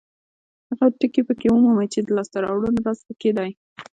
هغه ټکي پکې ومومئ چې د لاسته راوړنو راز پکې دی.